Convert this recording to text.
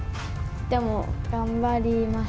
でも、頑張ります。